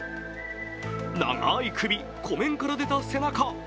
長い首、湖面から出た背中